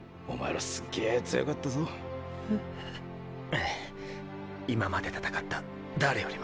ええ今まで戦った誰よりも。